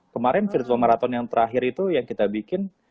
kemarin virtual marathon yang terakhir itu yang kita bikin